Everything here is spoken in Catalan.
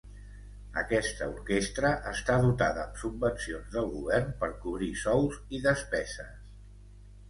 Aquesta orquestra està dotada amb subvencions del govern per cobrir sous i despeses.